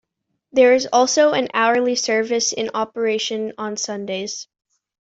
There is also an hourly service in operation on Sundays.